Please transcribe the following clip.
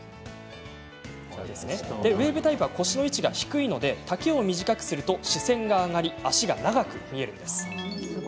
ウエーブタイプは腰の位置が低いので丈を短くすると視線が上がり脚が長く見えるんです。